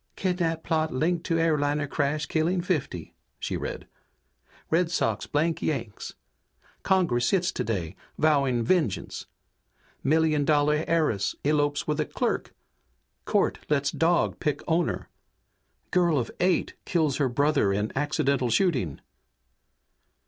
"Kidnap plot linked to airliner crash killing fifty," she read. "Red Sox blank Yanks! Congress sits today, vowing vengeance! Million dollar heiress elopes with a clerk! Court lets dog pick owner! Girl of eight kills her brother in accidental shooting!"